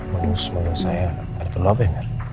bos panggil saya ada perlu apa ya mir